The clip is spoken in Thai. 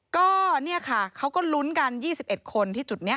ก็เนี่ยค่ะเขาก็ลุ้นกัน๒๑คนที่จุดนี้